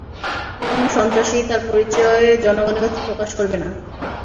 কোনো সন্ত্রাসীই তার পরিচয় জনগণের কাছে প্রকাশ করবে না।